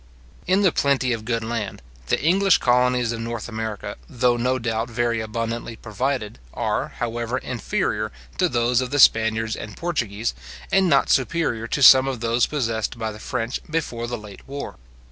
In the plenty of good land, the English colonies of North America, though no doubt very abundantly provided, are, however, inferior to those of the Spaniards and Portuguese, and not superior to some of those possessed by the French before the late war.